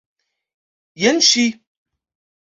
Jen ŝi!